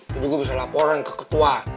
juga gue bisa laporan ke ketua